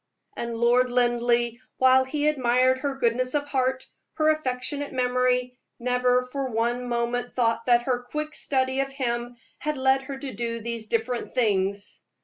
And Lord Linleigh, while he admired her goodness of heart, her affectionate memory, never for one moment thought that her quick study of him had led her to do these different things.